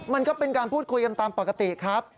มันก็เป็นการพูดคุยกันตามปกติครับ